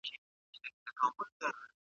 هغه له نظري بحثونو څخه عمل ته مخه کړه.